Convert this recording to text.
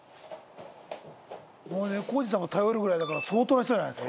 猫おじさんが頼るぐらいだから相当な人じゃないですか？